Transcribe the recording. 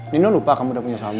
nino lupa kamu udah punya suami